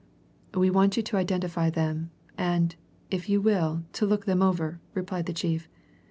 "We want you to identify them and, if you will, to look them over," replied the chief.